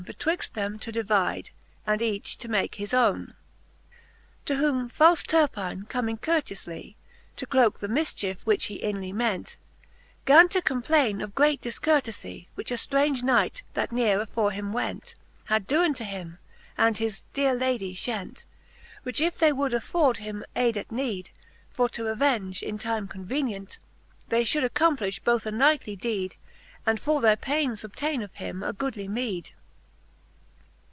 Betwixt them to divide, and each to make his owne, IV. To whom falfe Turptne comming courteoufly, To cloke the mifchiefe, which he inly ment, Gan to complaine of great difcourtefie, Which a ftraunge Knight, that neare afore him went. Had doen to him, and his deare Ladie fhent : Which if they would afford him ayde at need For to avenge, in time convenient, They fhould accomplifh both a knightly d^td^ And for their paines obtaine of him a goodly meed.